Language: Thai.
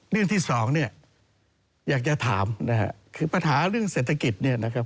เรื่องที่สองอยากจะถามคือปัญหาเรื่องเศรษฐกิจ